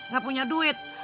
gak punya duit